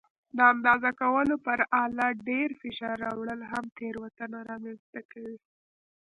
د اندازه کولو پر آله ډېر فشار راوړل هم تېروتنه رامنځته کوي.